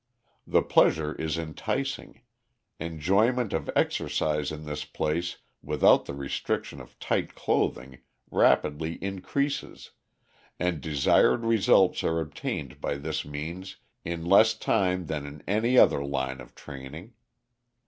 The pleasure is enticing; enjoyment of exercise in this place without the restriction of tight clothing rapidly increases, and desired results are obtained by this means in less time than in any other line of training.